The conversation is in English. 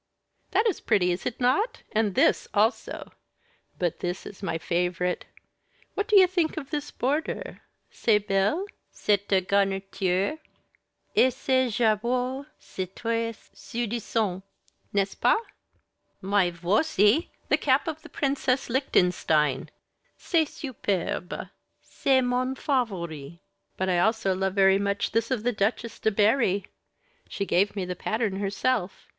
"That is pretty, is it not and this also? but this is my favorite. What do you think of this border? c'est belle, cette garniture? et ce jabot, c'est tres séduisant, n'est ce pas? Mais voici, the cap of Princess Lichtenstein. C'est superb, c'est mon favori. But I also love very much this of the Duchesse de Berri. She gave me the pattern herself.